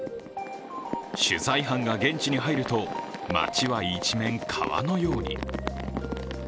取材班が現地に入ると、街は一面川のように。